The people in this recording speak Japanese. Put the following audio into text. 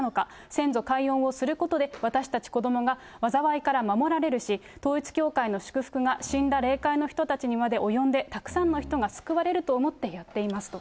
先祖解怨をすることで、私たち子どもが災いから守られるし、統一教会の祝福が死んだ霊界の人たちまで及んでたくさんの人が救われると思ってやっていますと。